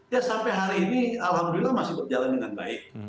ya sampai hari ini alhamdulillah masih berjalan dengan baik